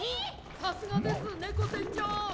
さすがですネコせんちょう！